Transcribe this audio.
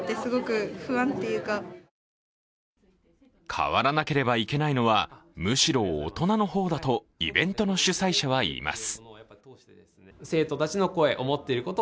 変わらなければいけないのはむしろ大人の方だとイベントの主催者は言います。